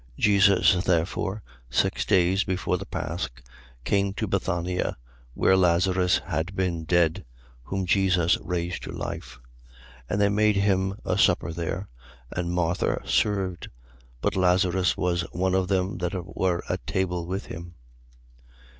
Jesus therefore, six days before the pasch, came to Bethania, where Lazarus had been dead, whom Jesus raised to life. 12:2. And they made him a supper there: and Martha served. But Lazarus was one of them that were at table with him.